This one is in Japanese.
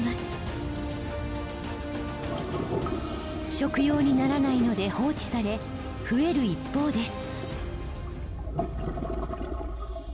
食用にならないので放置され増える一方です。